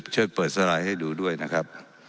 ช่วยเปิดสไลด์ให้ดูด้วยนะครับ